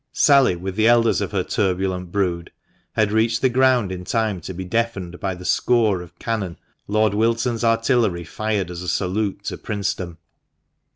Sally, with the elders of her turbulent brood, had reached the ground in time to be deafened by the score of cannon Lord Wilton's artillery fired as a salute to princedom.